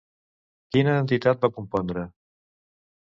Quina entitat va compondre?